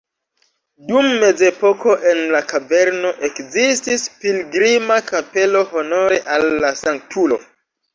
Dum mezepoko en la kaverno ekzistis pilgrima kapelo honore al la sanktulo.